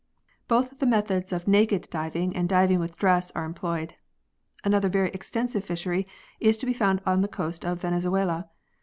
Both the methods of naked diving and diving with dress are employed. Another very extensive fishery is to be found on the coast of Venezuela.